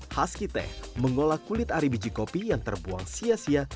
hoski teh mengolah kulit ari biji kopi yang terbuang sia sia